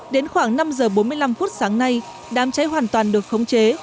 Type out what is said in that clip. đến khoảng năm giờ bốn mươi năm phút sáng nay đám cháy hoàn toàn được khống chế